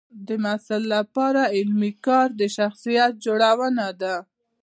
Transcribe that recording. د محصل لپاره علمي کار د شخصیت جوړونه ده.